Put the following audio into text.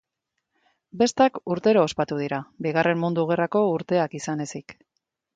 Bestak urtero ospatu dira, Bigarren Mundu Gerrako urteak izan ezik.